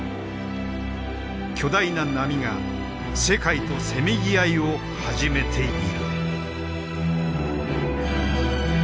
巨大な波が世界とせめぎ合いを始めている。